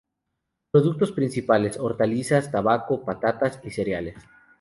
Productos principales: hortalizas, tabaco, patatas y cereales.